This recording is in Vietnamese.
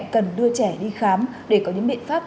cần đưa trẻ đi khám để có những biện pháp